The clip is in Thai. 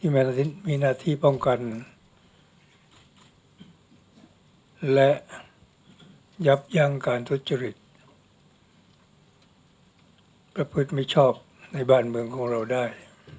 แยกว่าที่มีหน้าที่ป้องกันและยับยั่งการทดจริตประพฤทธิ์มิชอบในบ้านเมืองได้